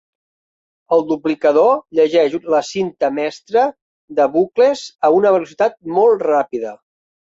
El duplicador llegeix la cinta mestra de bucles a una velocitat molt ràpida.